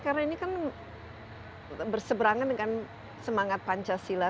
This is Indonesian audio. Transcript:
karena ini kan berseberangan dengan semangat pancasila